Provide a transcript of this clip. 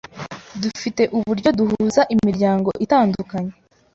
dufite uburyo duhuza imiryango itandukanye